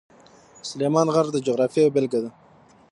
سلیمان غر د جغرافیې یوه بېلګه ده.